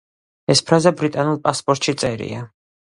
ეს ფრაზა ბრიტანულ პასპორტში წერია.